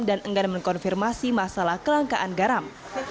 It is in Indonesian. dan enggan mengkonfirmasi masalah kelangkaan garam